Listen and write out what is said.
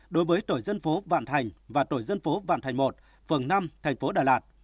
đối với tổ dân phố vạn thành và tổ dân phố vạn thành một phường năm thành phố đà lạt